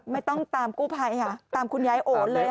ไม่ต้องตามกู้ไภตามคุณยายโอ๋นเลยค่ะ